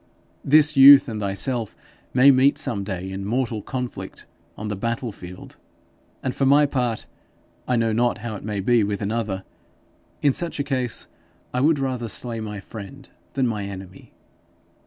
This youth and thyself may meet some day in mortal conflict on the battle field; and for my part I know not how it may be with another in such a case I would rather slay my friend than my enemy.'